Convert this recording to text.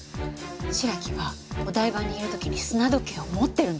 白木はお台場にいる時に砂時計を持ってるんです。